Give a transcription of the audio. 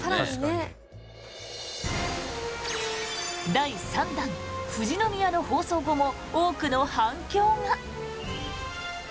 第３弾、富士宮の放送後も多くの反響が。